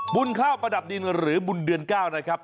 บุญข้าวประดับดินหรือบุญเดือน๙นะครับ